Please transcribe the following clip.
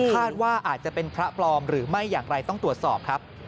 คาดว่าอาจจะเป็นพระปลอมหรือไม่อย่างไรต้องตรวจสอบครับ